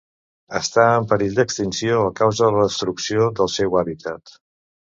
Està en perill d'extinció a causa de la destrucció del seu hàbitat.